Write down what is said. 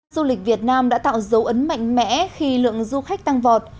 du lịch việt nam đã tạo dấu ấn mạnh mẽ khi lượng du khách tăng vọt